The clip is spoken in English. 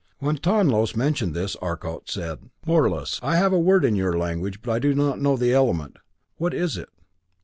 When Tonlos mentioned this, Arcot said: "Morlus I have the word in your language but I do not know the element. What is it?"